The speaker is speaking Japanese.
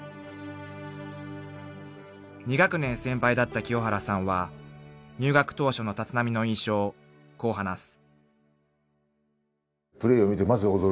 ［２学年先輩だった清原さんは入学当初の立浪の印象をこう話す］